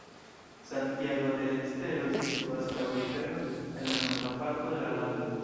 Santiago del Estero situas laŭ rivero en la norda parto de la lando.